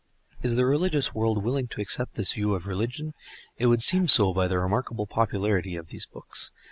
Is the religious world willing to accept this view of religion? It would seem so by the remarkable popularity of these books.